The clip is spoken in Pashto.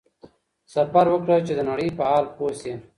سفر وکړه چي د نړۍ په حال پوه شې.